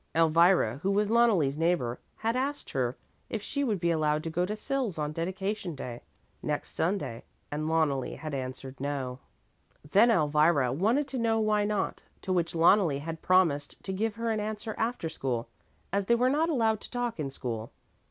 Elvira, who was Loneli's neighbor, had asked her if she would be allowed to go to Sils on dedication day, next Sunday, and Loneli had answered no. Then Elvira wanted to know why not, to which Loneli had promised to give her an answer after school, as they were not allowed to talk in school.